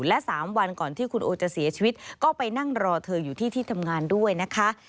และ๓วันก่อนที่คุณโอจะเสียชีวิตก็ไปนั่งรอเธออยู่ที่ที่ทำงานด้วยนะคะ